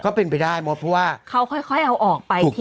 ก็เป็นไปได้มดเพราะว่าเขาค่อยเอาออกไป